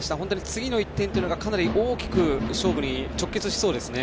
次の１点がかなり大きく勝負に直結しそうですね。